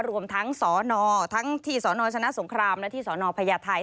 รวมทั้งที่สอนอชนะสงครามและที่สอนอพญาไทย